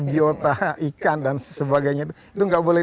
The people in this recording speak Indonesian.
biota ikan dan sebagainya itu nggak boleh